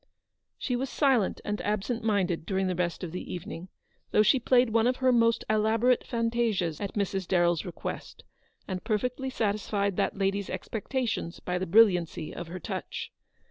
She was silent and absent minded during the rest of the evening, though she played one of her most elaborate fantasias at Mrs. Darrell's request, and perfectly satisfied that lady's expectations by the brilliancy of her touch.